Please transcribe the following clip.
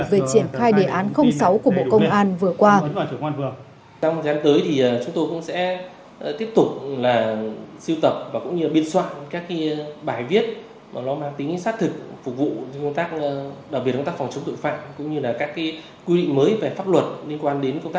về triển khai đề án sáu của bộ công an vừa qua